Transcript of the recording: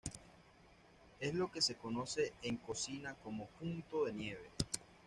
Es lo que se conoce en cocina como "punto de nieve".